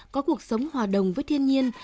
có cuộc sống hòa đồng với thiên nhiên